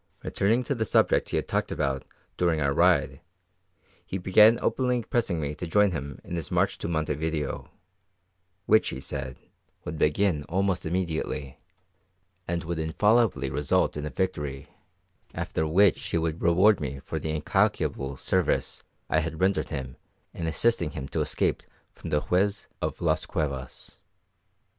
Returning to the subject he had talked about during our ride, he began openly pressing me to join him in his march to Montevideo, which, he said, would begin almost immediately, and would infallibly result in a victory, after which he would reward me for the incalculable service I had rendered him in assisting him to escape from the Juez of Las Cuevas.